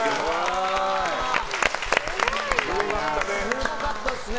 すごかったですね。